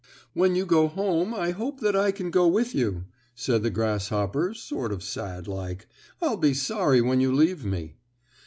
"When you go home I hope that I can go with you," said the grasshopper sort of sad like. "I'll be sorry when you leave me."